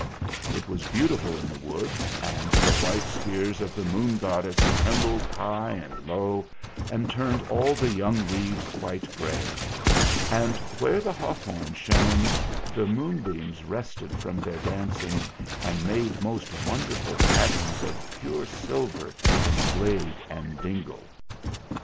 It was beautiful in the woods, and the white spears of the moon goddess trembled high and low and turned all the young leaves quite grey ; and where the hawthorn shone the moonbeams rested from their dancing and made most won derful patterns of pure silver in glade and dingle.